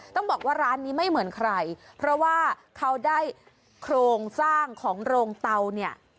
ต้องบอกว่าร้านนี้ไม่เหมือนใครเพราะว่าเขาได้โครงสร้างของโรงเตาเนี่ย